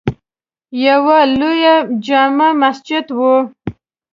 یوه لویه جامع مسجد وه.